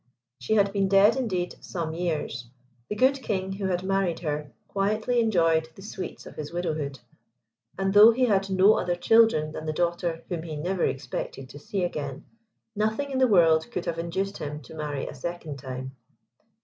She had been dead, indeed, some years. The good king who had married her, quietly enjoyed the sweets of his widowhood; and though he had no other children than the daughter whom he never expected to see again, nothing in the world could have induced him to marry a second time.